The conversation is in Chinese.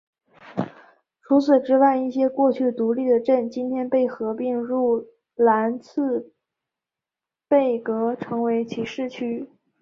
除此之外一些过去独立的镇今天被合并入兰茨贝格成为其市区。